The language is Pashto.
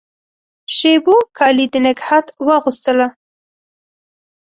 شېبو کالي د نګهت واغوستله